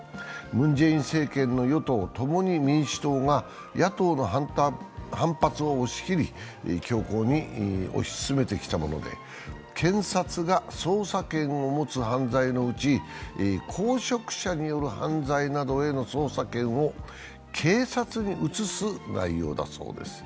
ムン・ジェイン政権の与党、共に民主党が野党の反発を押し切り、強行に推し進めてきたもので検察が捜査権を持つ犯罪のうち公職者による犯罪などへの捜査権を警察に移す内容だそうです。